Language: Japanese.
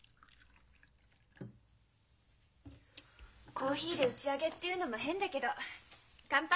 コーヒーで打ち上げっていうのも変だけど乾杯！